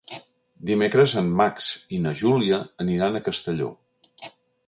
Dimecres en Max i na Júlia aniran a Castelló.